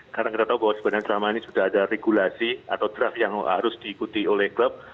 karena kita tahu bahwa sebenarnya selama ini sudah ada regulasi atau draft yang harus diikuti oleh klub